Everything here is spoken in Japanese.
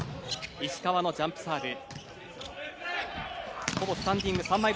石川のジャンプサーブ。